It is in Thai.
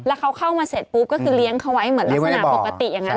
แล้วเขาเข้ามาเสร็จปุ๊บก็คือเลี้ยงเขาไว้เหมือนลักษณะปกติอย่างนั้น